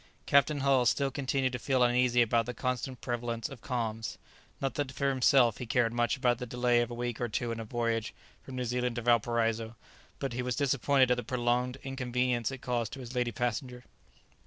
Captain Hull still continued to feel uneasy about the constant prevalence of calms; not that for himself he cared much about the delay of a week or two in a voyage from New Zealand to Valparaiso, but he was disappointed at the prolonged inconvenience it caused to his lady passenger.